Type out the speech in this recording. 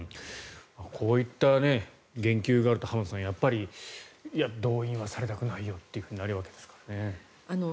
こういった言及があると浜田さん動員はされたくないよってなるわけですよね。